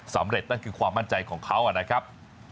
นั่นคือความมั่นใจของเขานะครับ